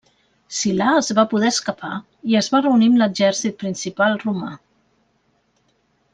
Silà es va poder escapar i es va reunir amb l'exèrcit principal romà.